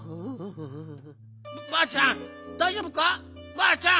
ばあちゃん